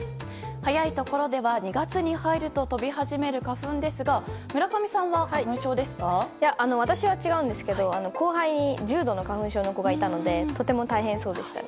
早いところでは２月に入ると飛び始める花粉ですが私は違うんですけど後輩に重度の花粉症の子がいたのでとても大変そうでした。